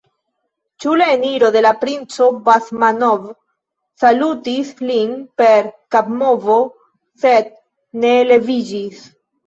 Ĉu la eniro de la princo Basmanov salutis lin per kapmovo, sed ne leviĝis.